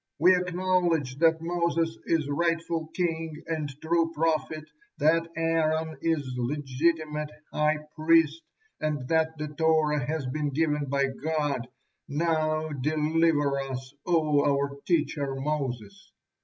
We acknowledge that Moses is rightful king and true prophet, that Aaron is legitimate high priest, and that the Torah has been given by God. Now deliver us, O our teacher Moses!"